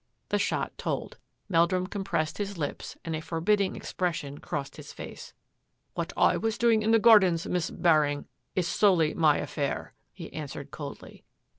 '" The shot told. Meldrum compressed his lips and a forbidding expression crossed his face. " What I was doing in the gardens, Miss Baring, is solely my own affair," he answered coldly.